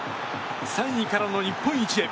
３位からの日本一へ。